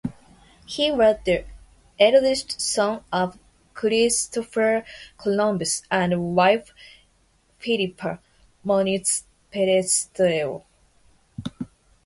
He was the eldest son of Christopher Columbus and wife Filipa Moniz Perestrelo.